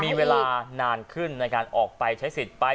มีเวลานานขึ้นในการออกไปใช้สิทธิ์ไป